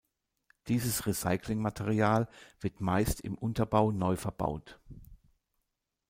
Dieses Recyclingmaterial wird meist im Unterbau neu verbaut.